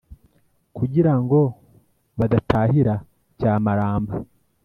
kugira ngo badatahira cyamaramba